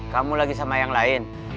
kamu lagi sama yang lain